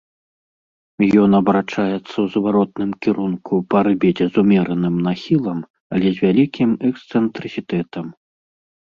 Ён абарачаецца ў зваротным кірунку па арбіце з умераным нахілам, але з вялікім эксцэнтрысітэтам.